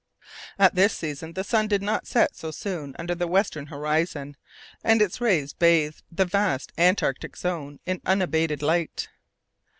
At this season the sun did not set so soon under the western horizon, and its rays bathed the vast Antarctic zone in unabated light.